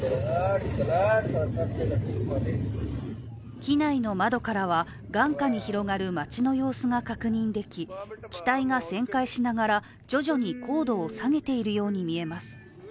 機内の窓からは、眼下に広がる街の様子が確認でき、機体が旋回しながら徐々に高度を下げているように見えます。